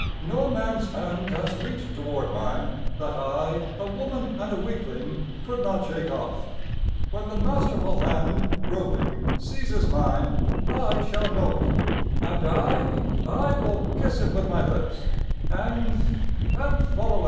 No man's hand has reached toward mine that I, a woman and a weakling, could not shake off. When the masterful hand, groping, seizes mine, I shall know it, and I I will kiss it with my lips and and follow after."